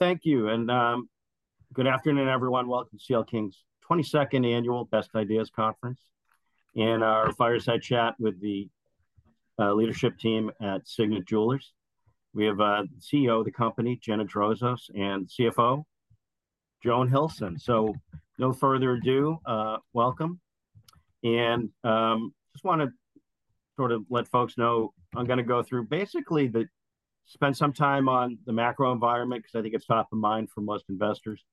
Thank you, and, good afternoon, everyone. Welcome to CL King's 22nd Annual Best Ideas Conference, and our fireside chat with the leadership team at Signet Jewelers. We have CEO of the company, Gina Drosos, and CFO, Joan Hilson. So no further ado, welcome, and, just wanna sort of let folks know, I'm gonna go through basically spend some time on the macro environment, 'cause I think it's top of mind for most investors.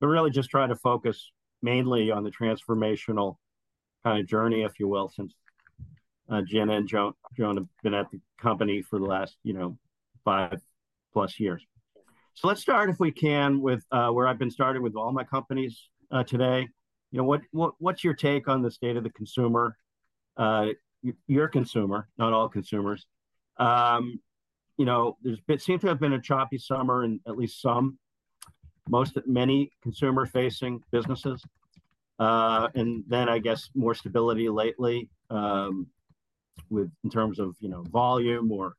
But really just try to focus mainly on the transformational kind of journey, if you will, since Gina and Joan have been at the company for the last, you know, five-plus years. So let's start, if we can, with where I've been starting with all my companies, today. You know, what's your take on the state of the consumer? Your consumer, not all consumers. You know, there's seemed to have been a choppy summer in at least some, most, many consumer-facing businesses, and then I guess more stability lately, with in terms of, you know, volume or,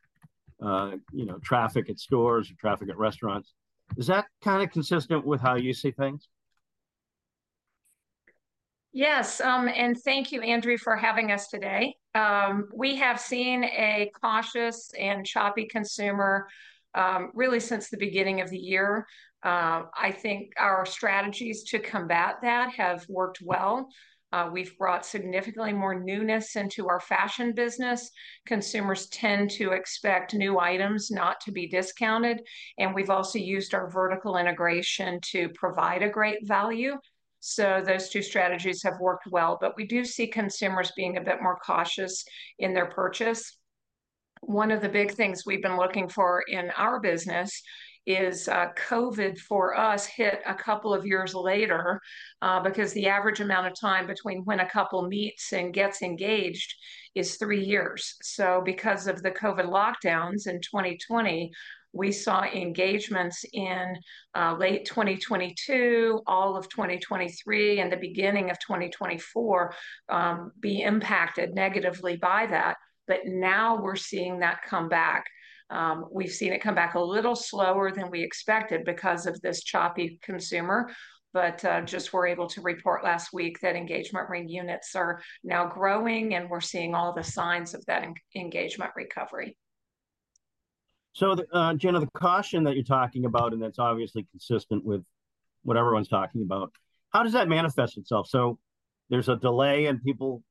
you know, traffic at stores or traffic at restaurants. Is that kind of consistent with how you see things? Yes, and thank you, Andrew, for having us today. We have seen a cautious and choppy consumer, really since the beginning of the year. I think our strategies to combat that have worked well. We've brought significantly more newness into our fashion business. Consumers tend to expect new items not to be discounted, and we've also used our vertical integration to provide a great value. So those two strategies have worked well. But we do see consumers being a bit more cautious in their purchase. One of the big things we've been looking for in our business is, COVID for us hit a couple of years later, because the average amount of time between when a couple meets and gets engaged is three years. Because of the COVID lockdowns in 2020, we saw engagements in late 2022, all of 2023, and the beginning of 2024 be impacted negatively by that, but now we're seeing that come back. We've seen it come back a little slower than we expected because of this choppy consumer, but just were able to report last week that engagement ring units are now growing, and we're seeing all the signs of that engagement recovery. So the, Gina, the caution that you're talking about, and that's obviously consistent with what everyone's talking about, how does that manifest itself? So there's a delay, and people...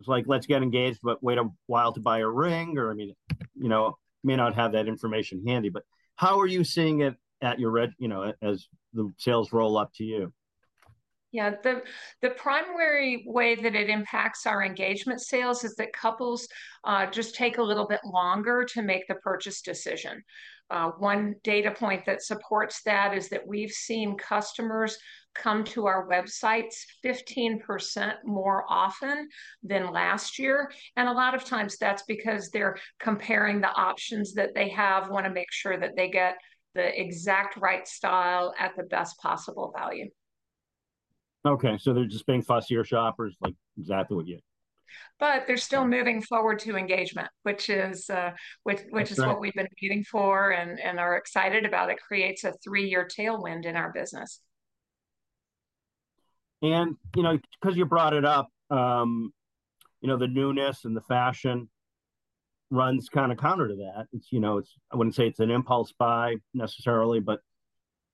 It's like, "Let's get engaged, but wait a while to buy a ring," or I mean, you know, may not have that information handy. But how are you seeing it at your end, you know, as the sales roll up to you? Yeah. The primary way that it impacts our engagement sales is that couples just take a little bit longer to make the purchase decision. One data point that supports that is that we've seen customers come to our websites 15% more often than last year, and a lot of times that's because they're comparing the options that they have, wanna make sure that they get the exact right style at the best possible value. Okay, so they're just being fussier shoppers, like, is that what you- But they're still moving forward to engagement, which is, That's right... which is what we've been waiting for and are excited about. It creates a three-year tailwind in our business. You know, 'cause you brought it up, you know, the newness and the fashion runs kind of counter to that. It's, you know, I wouldn't say it's an impulse buy necessarily, but,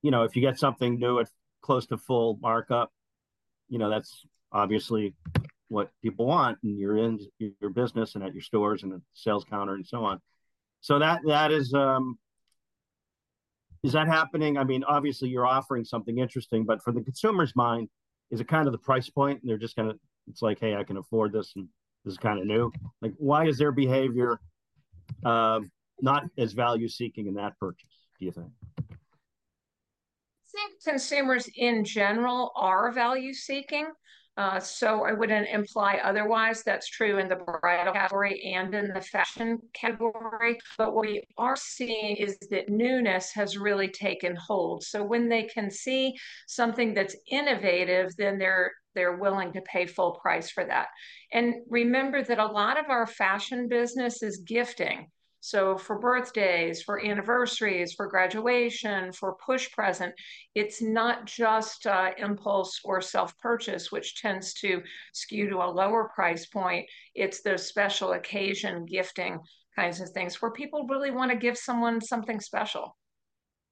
you know, if you get something new at close to full markup, you know, that's obviously what people want in your business, and at your stores, and the sales counter, and so on. So that is... Is that happening? I mean, obviously you're offering something interesting, but for the consumer's mind, is it kind of the price point, and they're just kinda, it's like, "Hey, I can afford this, and this is kind of new?" Like, why is their behavior not as value-seeking in that purchase, do you think? I think consumers in general are value-seeking, so I wouldn't imply otherwise. That's true in the bridal category and in the fashion category. But what we are seeing is that newness has really taken hold. So when they can see something that's innovative, then they're willing to pay full price for that. And remember that a lot of our fashion business is gifting. So for birthdays, for anniversaries, for graduation, for push present, it's not just impulse or self-purchase, which tends to skew to a lower price point. It's the special occasion gifting kinds of things, where people really wanna give someone something special.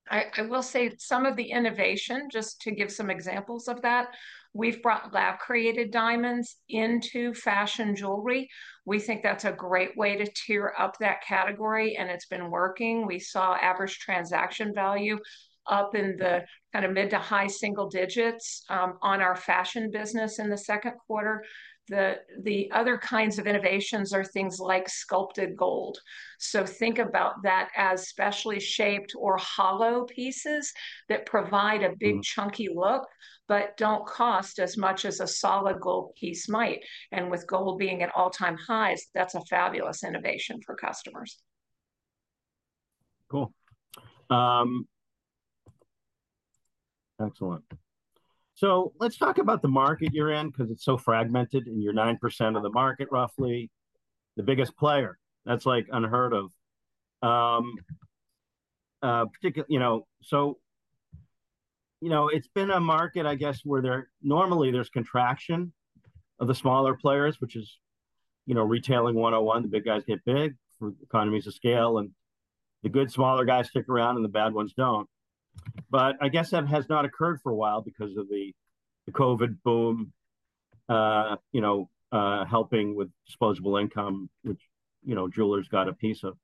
I will say some of the innovation, just to give some examples of that, we've brought lab-created diamonds into fashion jewelry. We think that's a great way to tier up that category, and it's been working. We saw average transaction value up in the kind of mid- to high-single digits on our fashion business in Q2. The other kinds of innovations are things like sculpted gold. So think about that as specially shaped or hollow pieces that provide- Mm... a big, chunky look, but don't cost as much as a solid gold piece might, and with gold being at all-time highs, that's a fabulous innovation for customers. Cool. Excellent. So let's talk about the market you're in, 'cause it's so fragmented, and you're 9% of the market roughly, the biggest player. That's, like, unheard of. You know, so, you know, it's been a market, I guess, where normally there's contraction of the smaller players, which is, you know, Retailing 101. The big guys get big through economies of scale, and the good smaller guys stick around, and the bad ones don't. But I guess that has not occurred for a while because of the COVID boom, you know, helping with disposable income, which, you know, jewelers got a piece of.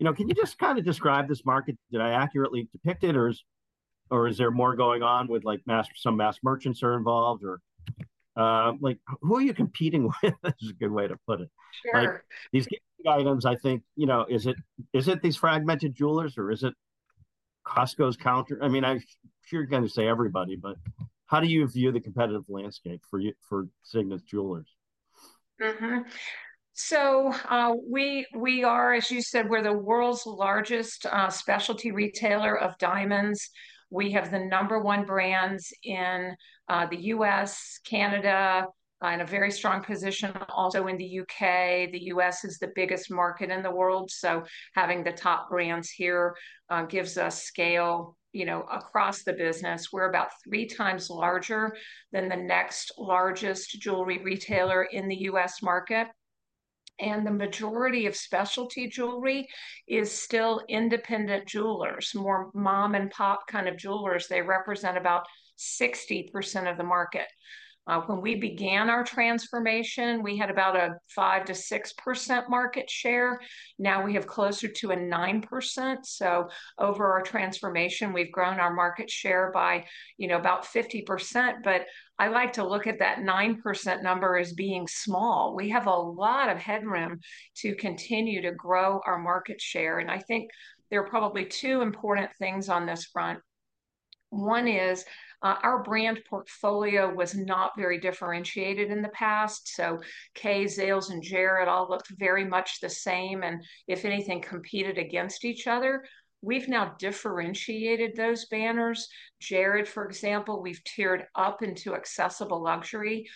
You know, can you just kind of describe this market? Did I accurately depict it, or is there more going on with, like, some mass merchants are involved? Or, like, who are you competing with is a good way to put it. Sure. Like, these items, I think, you know... Is it, is it these fragmented jewelers, or is it Costco's counter? I mean, I- I'm sure you're gonna say everybody, but how do you view the competitive landscape for y- for Signet Jewelers? Mm-hmm. So, we are, as you said, we're the world's largest specialty retailer of diamonds. We have the number one brands in the U.S., Canada, in a very strong position also in the U.K. The U.S. is the biggest market in the world, so having the top brands here gives us scale, you know, across the business. We're about three times larger than the next largest jewelry retailer in the U.S. market, and the majority of specialty jewelry is still independent jewelers, more mom-and-pop kind of jewelers. They represent about 60% of the market. When we began our transformation, we had about a 5%-6% market share. Now we have closer to a 9%, so over our transformation, we've grown our market share by, you know, about 50%. But I like to look at that 9% number as being small. We have a lot of headroom to continue to grow our market share, and I think there are probably two important things on this front. One is, our brand portfolio was not very differentiated in the past, so Kay, Zales, and Jared all looked very much the same and, if anything, competed against each other. We've now differentiated those banners. Jared, for example, we've tiered up into accessible luxury.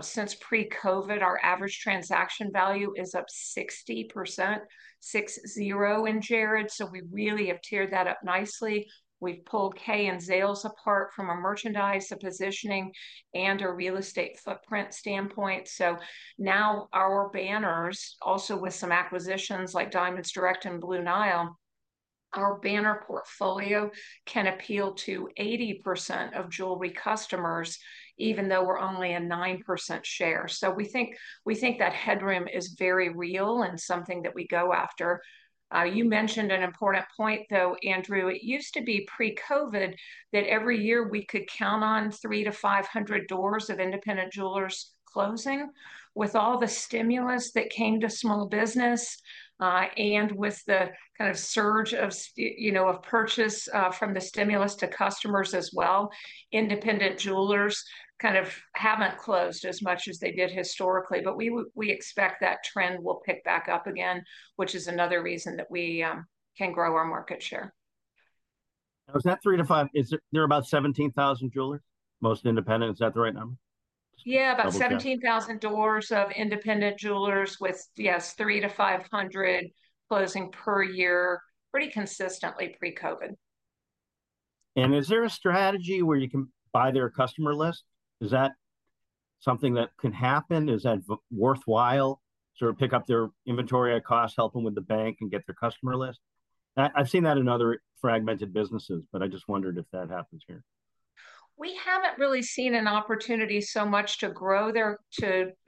Since pre-COVID, our average transaction value is up 60%, six zero, in Jared, so we really have tiered that up nicely. We've pulled Kay and Zales apart from a merchandise, a positioning, and a real estate footprint standpoint. So now our banners, also with some acquisitions like Diamonds Direct and Blue Nile, our banner portfolio can appeal to 80% of jewelry customers, even though we're only a 9% share. We think, we think that headroom is very real and something that we go after. You mentioned an important point, though, Andrew. It used to be pre-COVID that every year we could count on three to 500 doors of independent jewelers closing. With all the stimulus that came to small business, and with the kind of surge of, you know, purchase from the stimulus to customers as well, independent jewelers kind of haven't closed as much as they did historically. But we expect that trend will pick back up again, which is another reason that we can grow our market share. Now, is that three to five... Is there about 17,000 jewelers, most independent? Is that the right number? Yeah- Double check... about 17,000 doors of independent jewelers with, yes, 3-500 closing per year, pretty consistently pre-COVID. Is there a strategy where you can buy their customer list? Is that something that can happen? Is that worthwhile to sort of pick up their inventory at cost, help them with the bank, and get their customer list? I've seen that in other fragmented businesses, but I just wondered if that happens here. We haven't really seen an opportunity so much to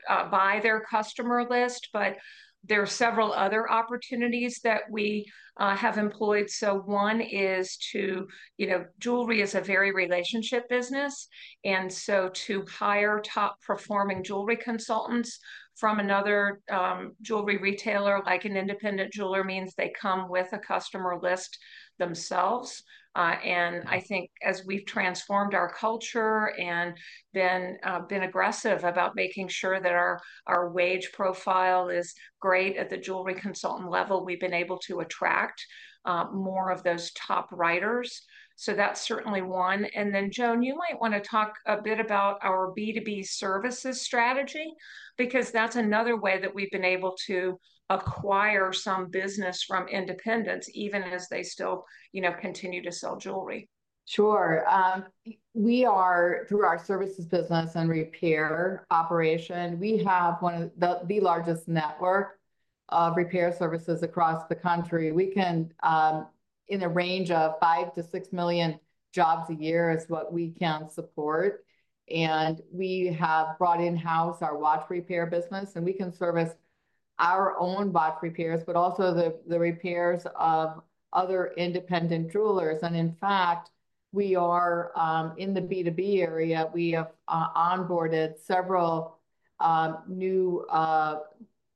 buy their customer list, but there are several other opportunities that we have employed. So one is to... You know, jewelry is a very relationship business, and so to hire top-performing jewelry consultants from another jewelry retailer, like an independent jeweler, means they come with a customer list themselves. And I think as we've transformed our culture and been aggressive about making sure that our wage profile is great at the jewelry consultant level, we've been able to attract more of those top writers, so that's certainly one. And then, Joan, you might wanna talk a bit about our B2B services strategy, because that's another way that we've been able to acquire some business from independents, even as they still, you know, continue to sell jewelry. Sure. We are, through our services business and repair operation, we have one of the largest network of repair services across the country. We can, in the range of five to six million jobs a year is what we can support, and we have brought in-house our watch repair business, and we can service our own watch repairs, but also the repairs of other independent jewelers. And in fact, we are in the B2B area, we have onboarded several new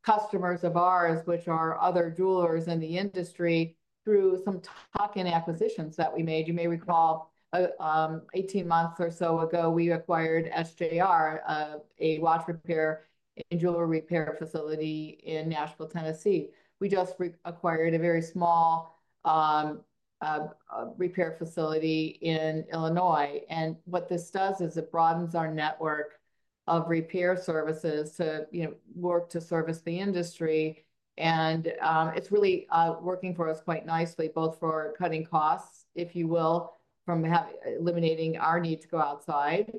customers of ours, which are other jewelers in the industry, through some tuck-in acquisitions that we made. You may recall, 18 months or so ago, we acquired SJR, a watch repair and jewelry repair facility in Nashville, Tennessee. We just re-acquired a very small repair facility in Illinois, and what this does is it broadens our network of repair services to, you know, work to service the industry. And it's really working for us quite nicely, both for cutting costs, if you will, from eliminating our need to go outside,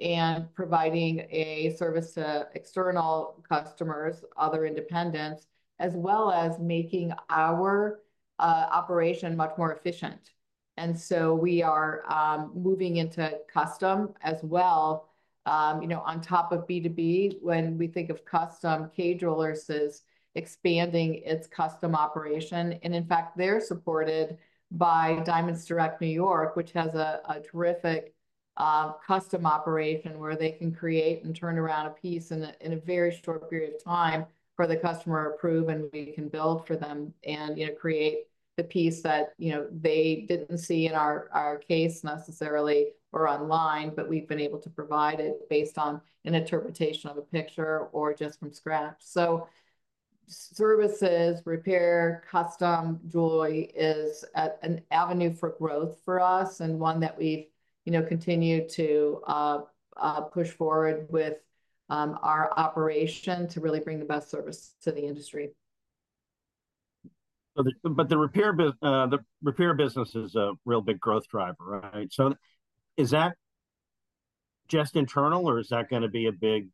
and providing a service to external customers, other independents, as well as making our operation much more efficient. And so we are moving into custom as well. You know, on top of B2B, when we think of custom, Kay Jewelers is expanding its custom operation, and in fact, they're supported by Diamonds Direct New York, which has a terrific custom operation where they can create and turn around a piece in a very short period of time for the customer approval, and we can build for them, and, you know, create the piece that, you know, they didn't see in our case necessarily or online, but we've been able to provide it based on an interpretation of a picture or just from scratch. So services, repair, custom jewelry is an avenue for growth for us, and one that we've, you know, continue to push forward with, our operation to really bring the best service to the industry. But the repair business is a real big growth driver, right? So is that just internal, or is that gonna be a big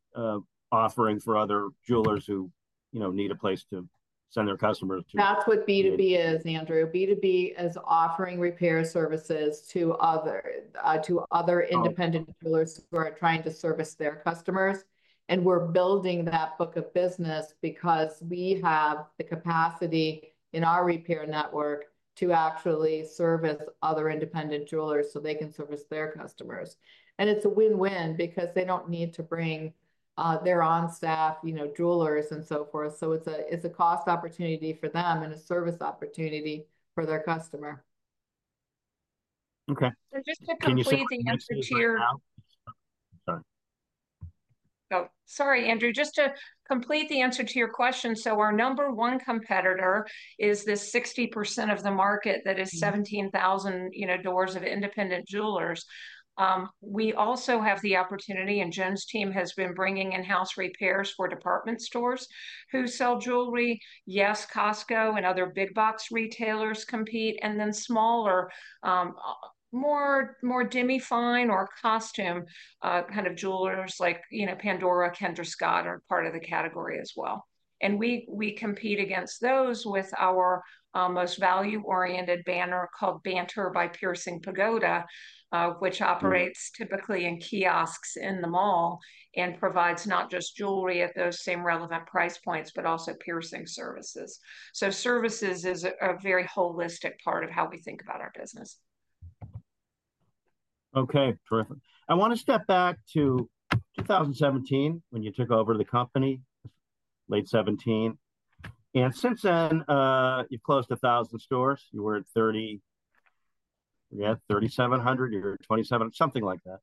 offering for other jewelers who, you know, need a place to send their customers to? That's what B2B is, Andrew. B2B is offering repair services to other- Oh... independent jewelers who are trying to service their customers, and we're building that book of business because we have the capacity in our repair network to actually service other independent jewelers so they can service their customers. And it's a win-win because they don't need to bring their on-staff, you know, jewelers and so forth, so it's a cost opportunity for them and a service opportunity for their customer. Okay. So just to complete the answer to your- Sorry. Oh, sorry, Andrew. Just to complete the answer to your question, so our number one competitor is this 60% of the market- Mm... that is 17,000, you know, doors of independent jewelers. We also have the opportunity, and Joan's team has been bringing in-house repairs for department stores who sell jewelry. Yes, Costco and other big box retailers compete, and then smaller, more demi-fine or costume kind of jewelers like, you know, Pandora, Kendra Scott, are part of the category as well. And we compete against those with our most value-oriented banner called Banter by Piercing Pagoda, which operates- Mm... typically in kiosks in the mall, and provides not just jewelry at those same relevant price points, but also piercing services. So services is a very holistic part of how we think about our business. Okay, terrific. I wanna step back to 2017, when you took over the company, late 2017, and since then, you've closed 1,000 stores. You had 3,700 or something like that.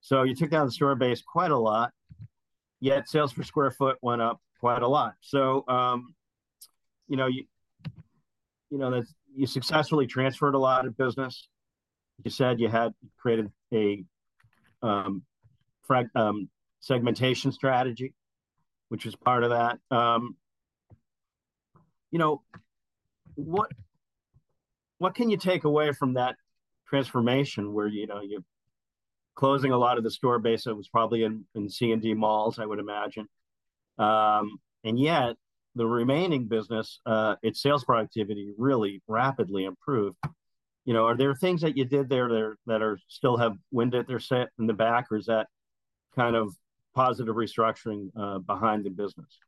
So you took down the store base quite a lot, yet sales per square foot went up quite a lot. So, you know that you successfully transferred a lot of business. You said you had created a segmentation strategy, which was part of that. You know, what can you take away from that transformation where, you know, you're closing a lot of the store base that was probably in C and D malls, I would imagine, and yet, the remaining business, its sales productivity really rapidly improved. You know, are there things that you did there that still have wind in their sails, or is that kind of positive restructuring behind the business?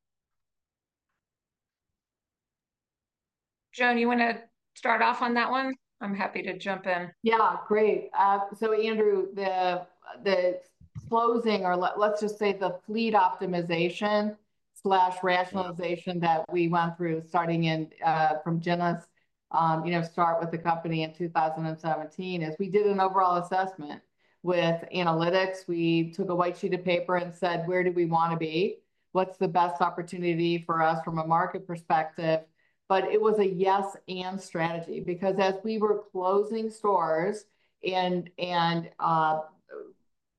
Joan, you wanna start off on that one? I'm happy to jump in. Yeah, great. So Andrew, the closing or let's just say the fleet optimization/rationalization- Mm... that we went through, starting in, from Gina's, you know, start with the company in 2017, is we did an overall assessment with analytics. We took a white sheet of paper and said: Where do we wanna be? What's the best opportunity for us from a market perspective? But it was a yes and strategy, because as we were closing stores and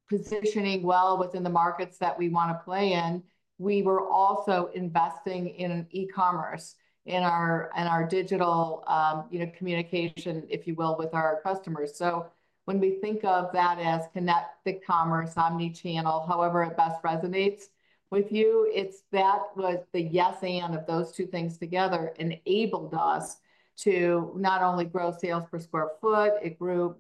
positioning well within the markets that we wanna play in, we were also investing in e-commerce, in our digital, you know, communication, if you will, with our customers. So when we think of that as Connected Commerce, omni-channel, however it best resonates with you, it's that was the yes and of those two things together enabled us to not only grow sales per sq ft, it grew,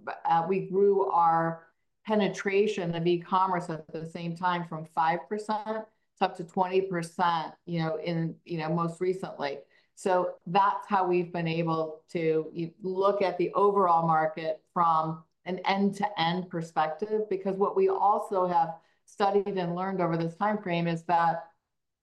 we grew our penetration of e-commerce at the same time from 5%, it's up to 20%, you know, in, you know, most recently. So that's how we've been able to look at the overall market from an end-to-end perspective. Because what we also have studied and learned over this timeframe is that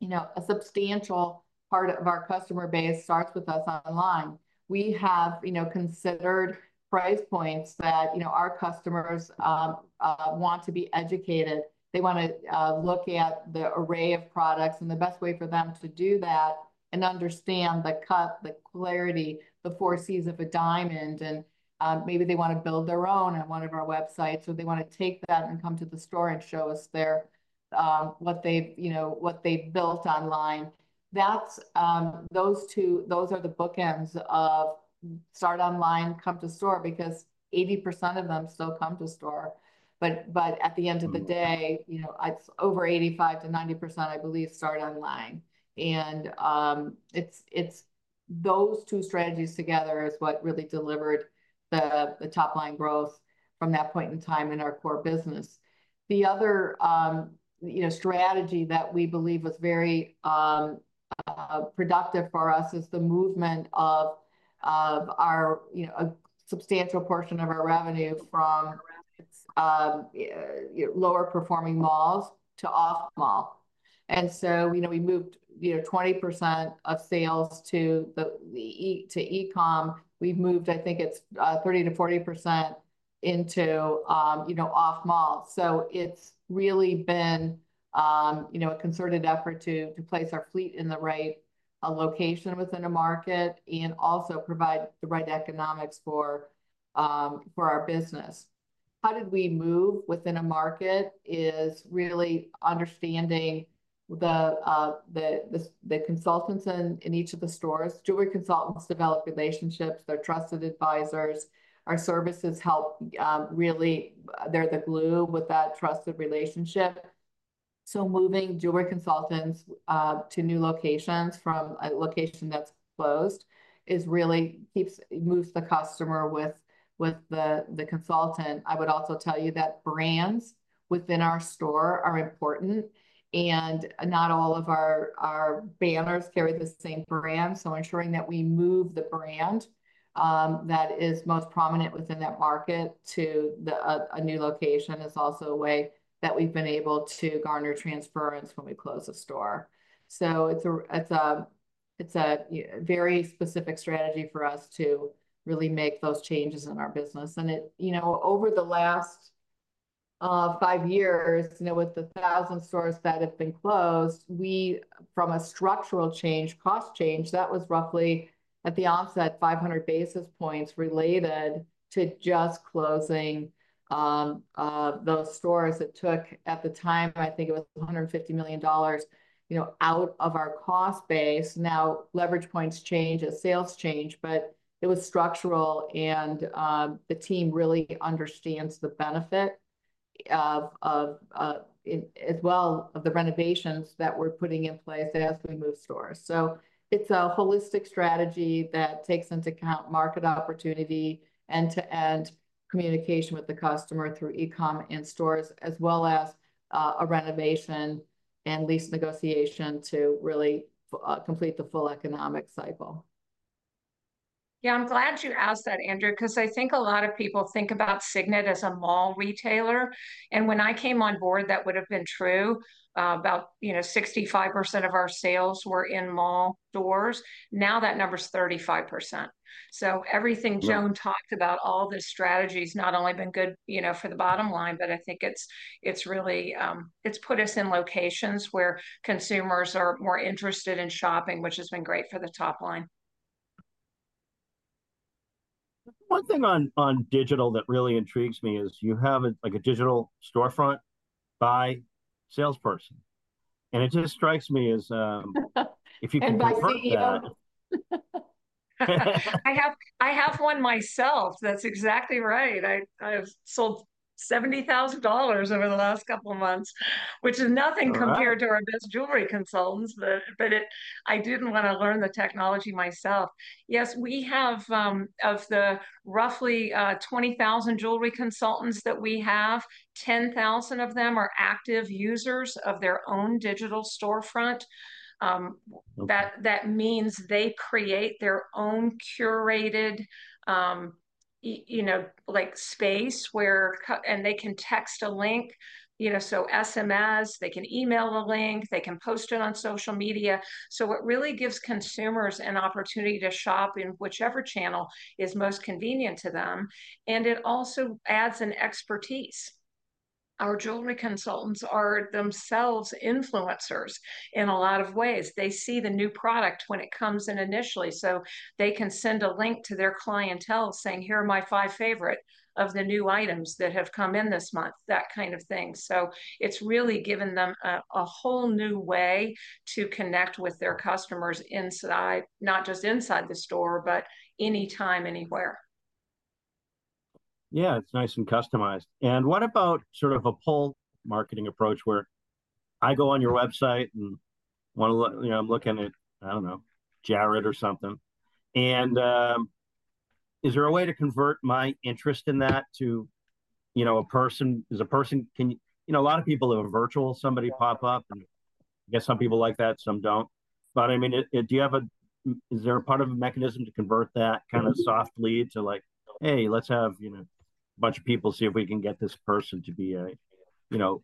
you know, a substantial part of our customer base starts with us online. We have, you know, considered price points that, you know, our customers want to be educated. They wanna look at the array of products, and the best way for them to do that and understand the cut, the clarity, the Four Cs of a diamond, and maybe they wanna build their own on one of our websites. So they wanna take that and come to the store and show us their what they've, you know, what they've built online. That's those are the bookends of start online, come to store, because 80% of them still come to store. But at the end of the day- Mm-hmm... you know, it's over 85%-90%, I believe, start online. And it's those two strategies together is what really delivered the top-line growth from that point in time in our core business. The other, you know, strategy that we believe was very productive for us is the movement of our, you know, a substantial portion of our revenue from lower-performing malls to off-mall. And so, you know, we moved, you know, 20% of sales to e-com. We've moved, I think it's 30%-40% into, you know, off-mall. So it's really been, you know, a concerted effort to place our fleet in the right location within a market, and also provide the right economics for our business. How did we move within a market is really understanding the consultants in each of the stores. Jewelry consultants develop relationships. They're trusted advisors. Our services help. Really, they're the glue with that trusted relationship. So moving jewelry consultants to new locations from a location that's closed moves the customer with the consultant. I would also tell you that brands within our store are important, and not all of our banners carry the same brand. So ensuring that we move the brand that is most prominent within that market to the new location is also a way that we've been able to garner transference when we close a store. So it's a very specific strategy for us to really make those changes in our business. And it... You know, over the last five years, you know, with the thousand stores that have been closed, we, from a structural change, cost change, that was roughly, at the onset, 500 basis points related to just closing those stores. It took, at the time, I think it was $150 million, you know, out of our cost base. Now, leverage points change and sales change, but it was structural, and the team really understands the benefit of, as well, of the renovations that we're putting in place as we move stores. So it's a holistic strategy that takes into account market opportunity, end-to-end communication with the customer through e-com and stores, as well as a renovation and lease negotiation to really complete the full economic cycle. Yeah, I'm glad you asked that, Andrew, 'cause I think a lot of people think about Signet as a mall retailer. And when I came on board, that would've been true. About, you know, 65% of our sales were in mall doors. Now that number's 35%. So everything- Yeah... Joan talked about, all the strategies, not only been good, you know, for the bottom line, but I think it's really put us in locations where consumers are more interested in shopping, which has been great for the top line. One thing on digital that really intrigues me is, you have a, like, a digital storefront by salesperson, and it just strikes me as if you can convert that- By CEO. I have one myself. That's exactly right. I have sold $70,000 over the last couple of months, which is nothing- Wow... compared to our best jewelry consultants. But I did wanna learn the technology myself. Yes, we have. Of the roughly 20,000 jewelry consultants that we have, 10,000 of them are active users of their own digital storefront. Wow... that, that means they create their own curated, you know, like, space, and they can text a link. You know, so SMS, they can email a link, they can post it on social media. So it really gives consumers an opportunity to shop in whichever channel is most convenient to them, and it also adds an expertise. Our jewelry consultants are themselves influencers in a lot of ways. They see the new product when it comes in initially, so they can send a link to their clientele saying, "Here are my five favorite of the new items that have come in this month," that kind of thing. So it's really given them a whole new way to connect with their customers inside, not just inside the store, but anytime, anywhere. Yeah, it's nice and customized. And what about sort of a pull marketing approach, where I go on your website and wanna look... You know, I'm looking at, I don't know, Jared or something, and, is there a way to convert my interest in that to, you know, a person? Does a person... Can you... You know, a lot of people have a virtual somebody pop up, and I guess some people like that, some don't. But, I mean, do you have a... Is there a part of a mechanism to convert that kind of soft lead to, like, "Hey, let's have, you know-... a bunch of people, see if we can get this person to be a, you know,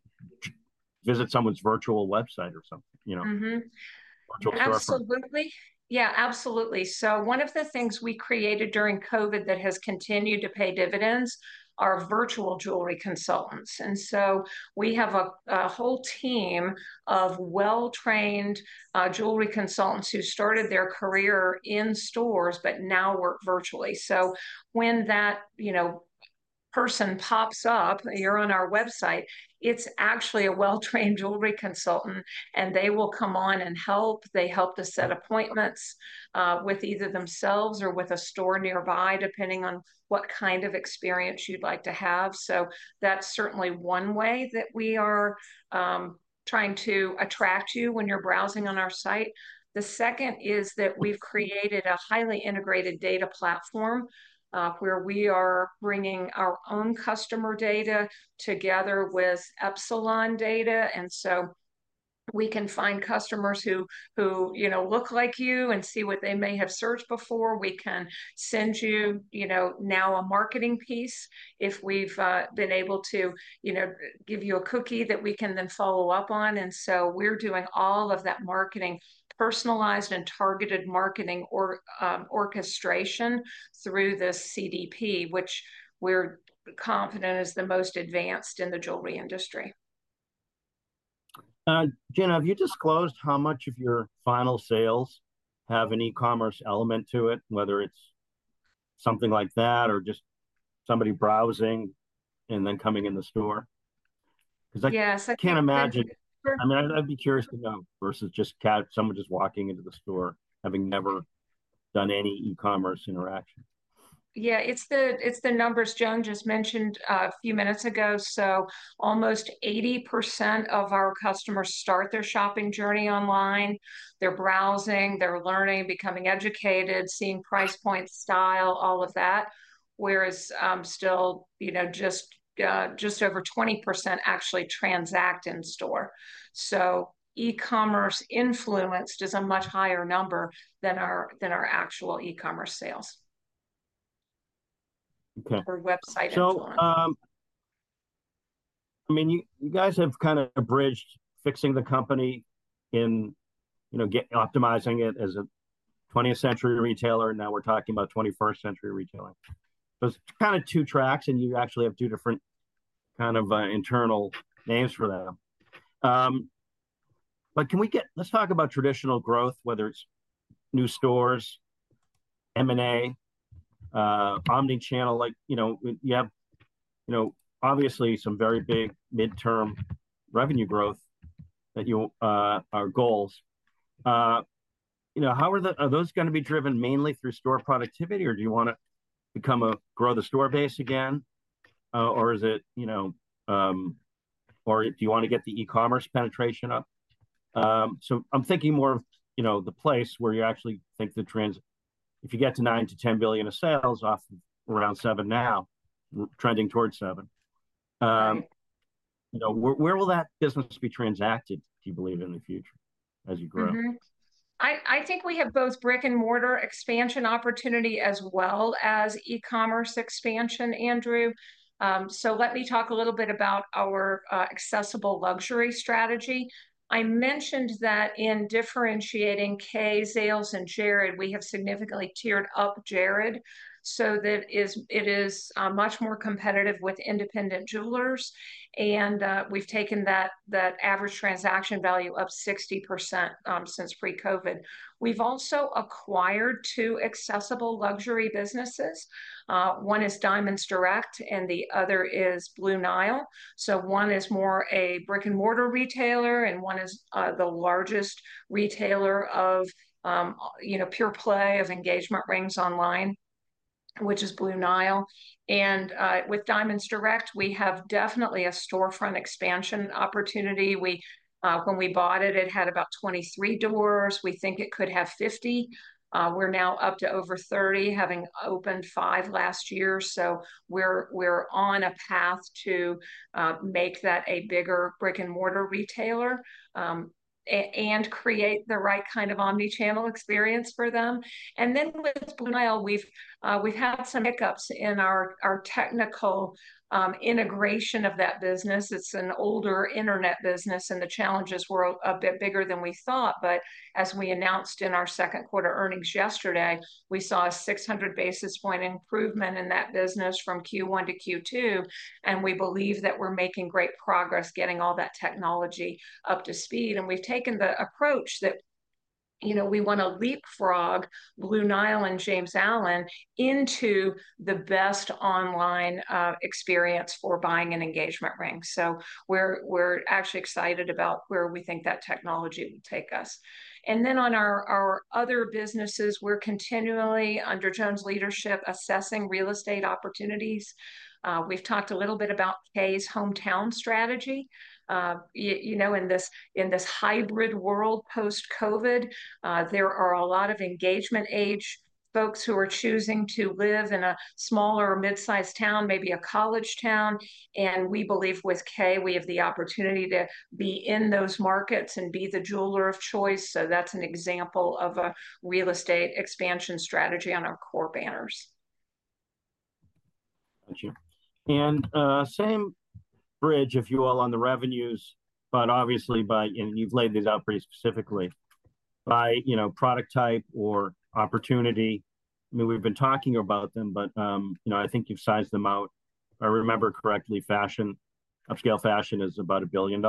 visit someone's virtual website or something, you know? Mm-hmm. Virtual store. Absolutely. Yeah, absolutely. So one of the things we created during COVID that has continued to pay dividends are virtual jewelry consultants. And so we have a whole team of well-trained jewelry consultants who started their career in stores, but now work virtually. So when that, you know, person pops up and you're on our website, it's actually a well-trained jewelry consultant, and they will come on and help. They help to set appointments with either themselves or with a store nearby, depending on what kind of experience you'd like to have. So that's certainly one way that we are trying to attract you when you're browsing on our site. The second is that we've created a highly integrated data platform, where we are bringing our own customer data together with Epsilon data. And so we can find customers who, you know, look like you and see what they may have searched before. We can send you, you know, now a marketing piece if we've been able to, you know, give you a cookie that we can then follow up on. And so we're doing all of that marketing, personalized and targeted marketing, or orchestration through the CDP, which we're confident is the most advanced in the jewelry industry. Gina, have you disclosed how much of your final sales have an e-commerce element to it, whether it's something like that or just somebody browsing and then coming in the store? 'Cause I- Yes, I think that-... I can't imagine. I mean, I'd be curious to know versus just someone just walking into the store, having never done any e-commerce interaction. Yeah, it's the numbers Joan just mentioned a few minutes ago. So almost 80% of our customers start their shopping journey online. They're browsing, they're learning, becoming educated, seeing price point, style, all of that. Whereas, still, you know, just over 20% actually transact in store. So e-commerce influence is a much higher number than our actual e-commerce sales. Okay. Or website influence. I mean, you guys have kind of abridged fixing the company and, you know, optimizing it as a 20th-century retailer. Now we're talking about 21st-century retailing. There's kind of two tracks, and you actually have two different kind of internal names for them. But let's talk about traditional growth, whether it's new stores, M&A, omni-channel. Like, you know, you have, you know, obviously some very big midterm revenue growth goals. You know, how are those gonna be driven mainly through store productivity, or do you want to grow the store base again? Or is it, you know, or do you want to get the e-commerce penetration up? I'm thinking more of, you know, the place where you actually think the trends, if you get to $9-10 billion of sales off of around $7 billion now, trending towards $7 billion. Right... you know, where, where will that business be transacted, do you believe, in the future as you grow? Mm-hmm. I think we have both brick-and-mortar expansion opportunity as well as e-commerce expansion, Andrew. So let me talk a little bit about our accessible luxury strategy. I mentioned that in differentiating Kay, Zales, and Jared, we have significantly tiered up Jared, so that it is much more competitive with independent jewelers. And we've taken that average transaction value up 60% since pre-COVID. We've also acquired two accessible luxury businesses. One is Diamonds Direct, and the other is Blue Nile. So one is more a brick-and-mortar retailer, and one is the largest retailer of you know, pure play of engagement rings online, which is Blue Nile. And with Diamonds Direct, we have definitely a storefront expansion opportunity. When we bought it, it had about 23 doors. We think it could have 50. We're now up to over 30, having opened five last year, so we're on a path to make that a bigger brick-and-mortar retailer and create the right kind of omni-channel experience for them, and then with Blue Nile, we've had some hiccups in our technical integration of that business. It's an older internet business, and the challenges were a bit bigger than we thought, but as we announced in our Q2 earnings yesterday, we saw a 600 basis point improvement in that business from Q1 to Q2, and we believe that we're making great progress getting all that technology up to speed, and we've taken the approach that, you know, we want to leapfrog Blue Nile and James Allen into the best online experience for buying an engagement ring. So we're actually excited about where we think that technology will take us. And then on our other businesses, we're continually, under Joan's leadership, assessing real estate opportunities. We've talked a little bit about Kay's hometown strategy. You know, in this hybrid world, post-COVID, there are a lot of engagement-age folks who are choosing to live in a smaller or mid-sized town, maybe a college town, and we believe with Kay, we have the opportunity to be in those markets and be the jeweler of choice. So that's an example of a real estate expansion strategy on our core banners.... Gotcha. And, same bridge, if you will, on the revenues, but obviously by, and you've laid these out pretty specifically, by, you know, product type or opportunity. I mean, we've been talking about them, but, you know, I think you've sized them out. If I remember correctly, fashion, upscale fashion is about $1 billion,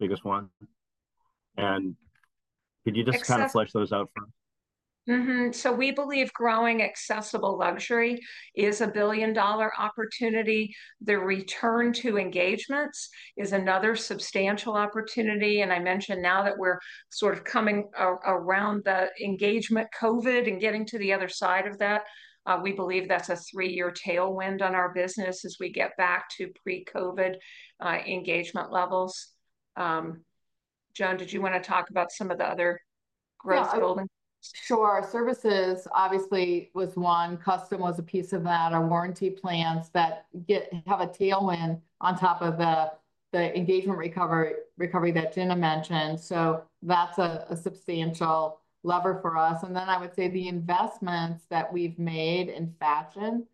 biggest one? And could you just- Access- Kind of flesh those out for me? So we believe growing accessible luxury is a billion-dollar opportunity. The return to engagements is another substantial opportunity, and I mentioned now that we're sort of coming around the engagement COVID and getting to the other side of that. We believe that's a three-year tailwind on our business as we get back to pre-COVID engagement levels. Joan, did you wanna talk about some of the other growth drivers? Sure. So our services obviously was one, custom was a piece of that, our warranty plans that have a tailwind on top of the, the engagement recovery that Gina mentioned. So that's a, a substantial lever for us. And then I would say the investments that we've made in fashion,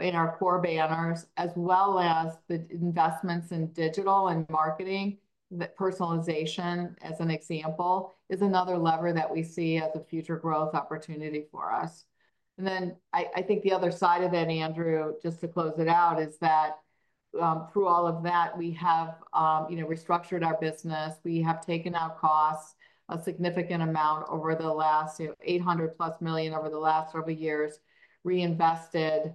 in our core banners, as well as the investments in digital and marketing, the personalization, as an example, is another lever that we see as a future growth opportunity for us. And then, I think the other side of that, Andrew, just to close it out, is that, through all of that, we have, you know, restructured our business. We have taken out costs, a significant amount over the last, you know, $800+ million over the last several years, reinvested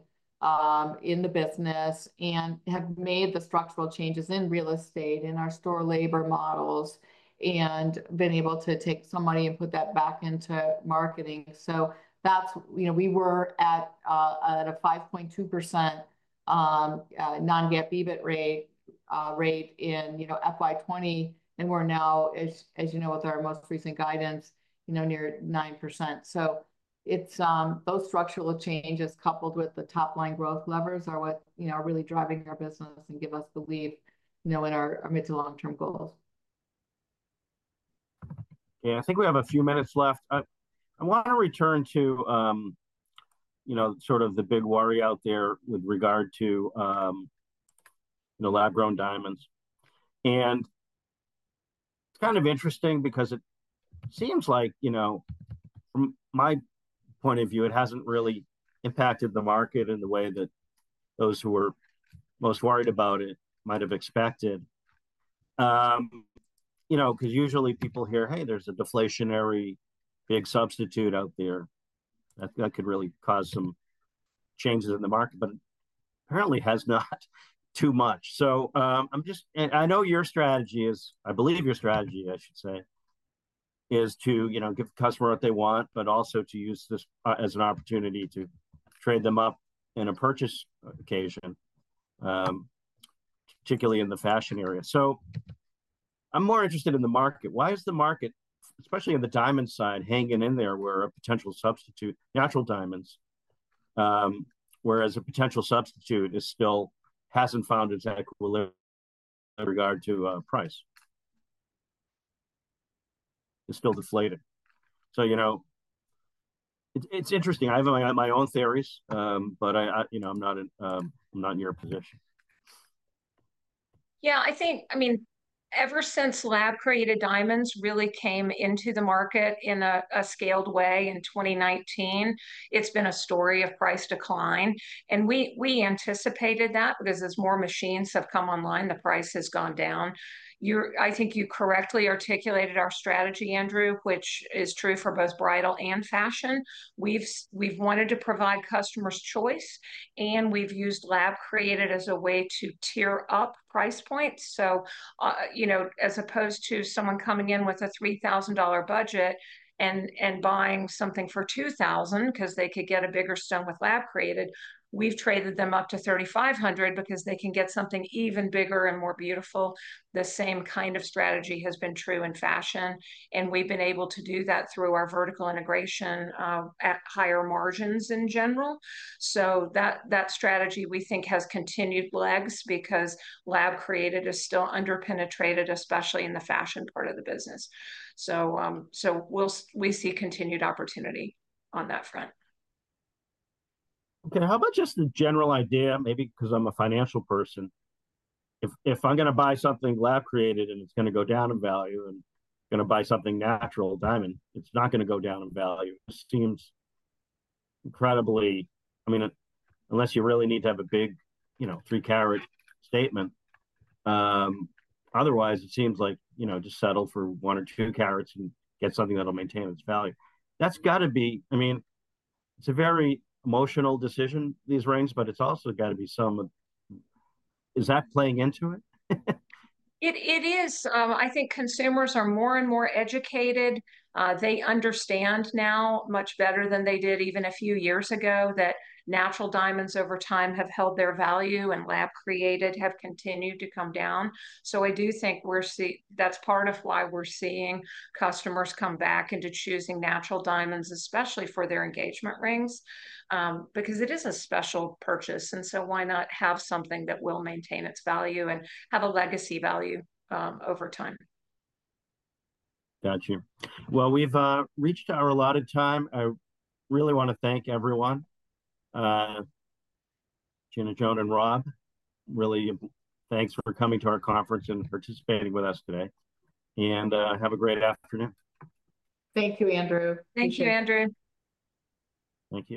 in the business, and have made the structural changes in real estate, in our store labor models, and been able to take some money and put that back into marketing. So that's... You know, we were at a 5.2% non-GAAP EBIT rate in, you know, FY 2020, and we're now, as you know, with our most recent guidance, you know, near 9%. So it's those structural changes coupled with the top-line growth levers are what, you know, are really driving our business and give us belief, you know, in our mid to long-term goals. Yeah, I think we have a few minutes left. I wanna return to, you know, sort of the big worry out there with regard to, you know, lab-grown diamonds. And it's kind of interesting because it seems like, you know, from my point of view, it hasn't really impacted the market in the way that those who were most worried about it might have expected. You know, 'cause usually people hear, "Hey, there's a deflationary big substitute out there," that, that could really cause some changes in the market, but apparently has not too much. So, and I know your strategy is, I believe your strategy, I should say, is to, you know, give the customer what they want, but also to use this as an opportunity to trade them up in a purchase occasion, particularly in the fashion area. So I'm more interested in the market. Why is the market, especially on the diamond side, hanging in there, where a potential substitute, natural diamonds, whereas a potential substitute hasn't found its equivalent in regard to price? It's still deflated. So, you know, it's interesting. I have my own theories, but I, you know, I'm not in your position. Yeah, I think, I mean, ever since lab-created diamonds really came into the market in a scaled way in 2019, it's been a story of price decline. And we, we anticipated that, because as more machines have come online, the price has gone down. I think you correctly articulated our strategy, Andrew, which is true for both bridal and fashion. We've wanted to provide customers choice, and we've used lab-created as a way to tier up price points. So, you know, as opposed to someone coming in with a $3,000 budget and buying something for $2,000, 'cause they could get a bigger stone with lab-created, we've traded them up to $3,500 because they can get something even bigger and more beautiful. The same kind of strategy has been true in fashion, and we've been able to do that through our vertical integration at higher margins in general. So that strategy, we think, has continued legs, because lab-created is still under-penetrated, especially in the fashion part of the business. So we'll see continued opportunity on that front. Okay, how about just a general idea, maybe 'cause I'm a financial person? If I'm gonna buy something lab-created, and it's gonna go down in value, and gonna buy something natural diamond, it's not gonna go down in value, it just seems incredibly... I mean, unless you really need to have a big, you know, three-carat statement, otherwise, it seems like, you know, just settle for one or two carats and get something that'll maintain its value. That's got to be... I mean, it's a very emotional decision, these rings, but it's also got to be some of- is that playing into it? It is. I think consumers are more and more educated. They understand now much better than they did even a few years ago, that natural diamonds over time have held their value and lab-created have continued to come down. So I do think that's part of why we're seeing customers come back into choosing natural diamonds, especially for their engagement rings, because it is a special purchase, and so why not have something that will maintain its value and have a legacy value, over time? Got you. Well, we've reached our allotted time. I really wanna thank everyone, Gina, Joan, and Rob. Really, thanks for coming to our conference and participating with us today, and have a great afternoon. Thank you, Andrew. Thank you, Andrew. Thank you.